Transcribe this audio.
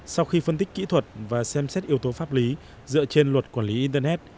sau khi phân tích kỹ thuật và xem xét yếu tố pháp lý dựa trên luật quản lý internet